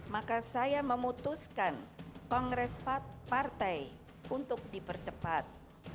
maka saya memutuskan kongres partai untuk dipercepat